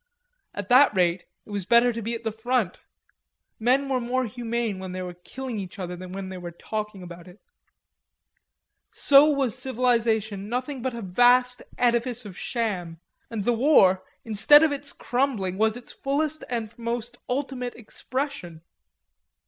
At that rate it was better to be at the front. Men were more humane when they were killing each other than when they were talking about it. So was civilization nothing but a vast edifice of sham, and the war, instead of its crumbling, was its fullest and most ultimate expression.